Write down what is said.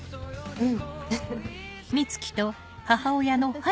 うん。